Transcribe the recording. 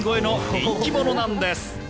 人気者なんです。